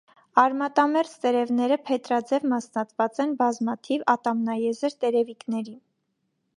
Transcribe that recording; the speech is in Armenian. Արմատամերձ տերևները փետրաձև մասնատված են բազմաթիվ ատամնաեզր տերևիկների։